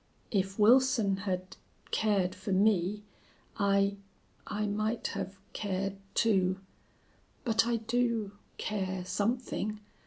"If Wilson had cared for me I I might have cared, too.... But I do care something.